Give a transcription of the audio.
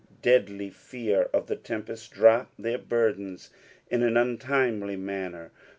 deadly fear of the tempest, drop their burdens in an untimely manner.